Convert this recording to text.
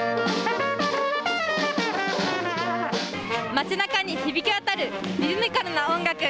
街なかに響き渡るリズミカルな音楽。